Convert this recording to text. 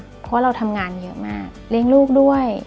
เพราะว่าเราทำงานเยอะมากเลี้ยงลูกด้วย